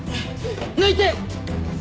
抜いて！